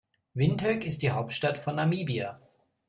Windhoek ist die Hauptstadt von Namibia.